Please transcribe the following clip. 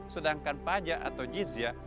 sedangkan pajak atau jizya